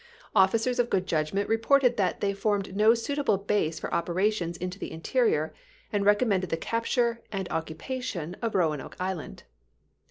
Officers of good judgment reported that they formed no suitable base for operations into the interior, and recommended the capture and occu pation of Roanoke Island.